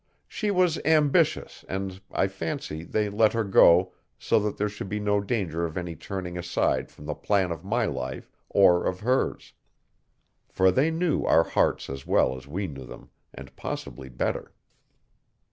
She was ambitious and, I fancy, they let her go, so that there should be no danger of any turning aside from the plan of my life, or of hers; for they knew our hearts as well as we knew them and possibly better.